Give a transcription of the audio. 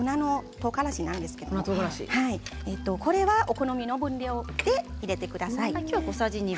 とうがらしはお好みの分量で入れてください。